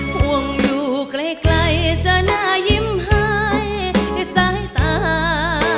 ห่วงอยู่ไกลจะน่ายิ้มหายด้วยสายตา